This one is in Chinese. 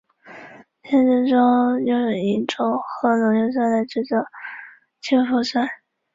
实验室中用萤石和浓硫酸来制造氢氟酸。